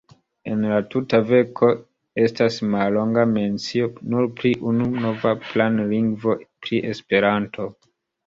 En la tuta verko estas mallonga mencio nur pri unu nova planlingvo, pri esperanto.